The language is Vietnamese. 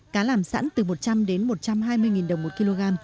cá làm sẵn từ một trăm linh đến một trăm hai mươi đồng một kg